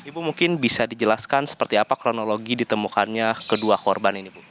ibu mungkin bisa dijelaskan seperti apa kronologi ditemukannya kedua korban ini bu